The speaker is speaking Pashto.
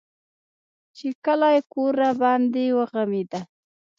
چې کلى کور راباندې وغمېدل.